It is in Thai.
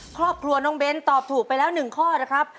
ครอบครัวน้องเบ้นตอบถูกไปแล้ว๑ข้อนะครับ